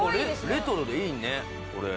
レトロでいいねこれ。